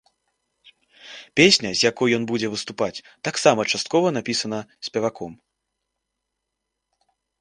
Песня, з якой ён будзе выступаць, таксама часткова напісана спеваком.